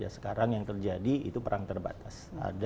sekarang yang terjadi itu perang terbatas